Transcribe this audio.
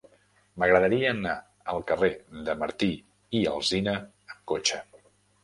M'agradaria anar al carrer de Martí i Alsina amb cotxe.